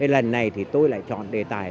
lần này tôi lại chọn đề tài